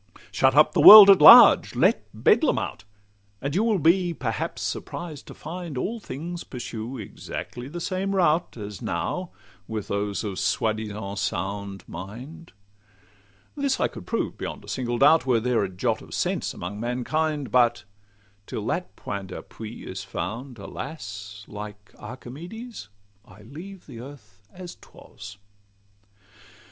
Shut up the world at large, let Bedlam out; And you will be perhaps surprised to find All things pursue exactly the same route, As now with those of soi disant sound mind. This I could prove beyond a single doubt, Were there a jot of sense among mankind; But till that point d'appui is found, alas! Like Archimedes, I leave earth as 'twas.